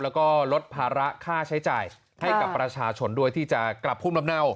แล้วก็ลดภาระค่าใช้จ่ายให้กับประชาชนด้วยที่จะกลับภูมิลำเนา